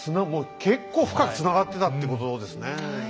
もう結構深くつながってたってことですね